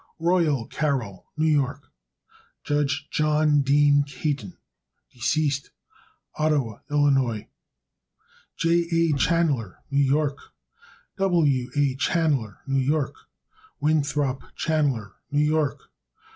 Royal Carroll, New York. Judge John Dean Caton,* Ottawa, Ill. J. A. Chanler, New York. W. A. Chanler, New York. Winthrop Chanler, New York.